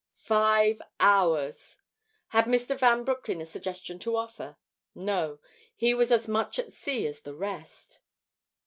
Five hours! Had Mr. Van Broecklyn a suggestion to offer? No, he was as much at sea as the rest.